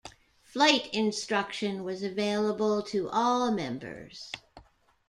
Flight instruction was available to all members.